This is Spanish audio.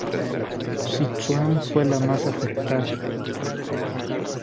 Sichuan fue la más afectada.